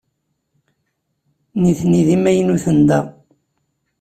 Nitni d imaynuten da.